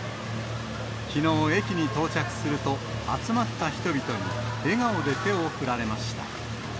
きのう駅に到着すると、集まった人々に笑顔で手を振られました。